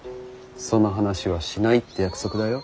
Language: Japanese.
その話はしないって約束だよ。